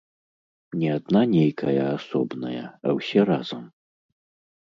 Не адна нейкая асобная, а ўсе разам.